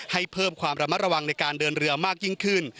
ให้เพิ่มความระมัดระวังในการเดินเรือมากยิ่งขึ้น